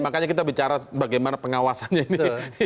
makanya kita bicara bagaimana pengawasannya ini